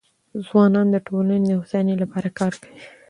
ځوانان د ټولنې د هوساینې لپاره کار کوي.